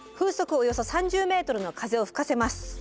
およそ３０ｍの風を吹かせます。